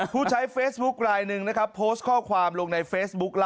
ผู้ใช้เฟซบุ๊คลายหนึ่งนะครับโพสต์ข้อความลงในเฟซบุ๊ค